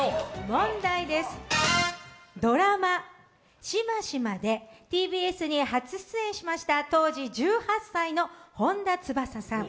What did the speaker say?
問題です、ドラマ「シマシマ」でＴＢＳに初出演しました、当時１８歳の本田翼さん。